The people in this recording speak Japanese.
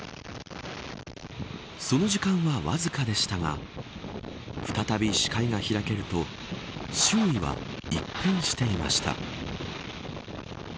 その時間はわずかでしたが再び視界が開けると周囲は一変していました。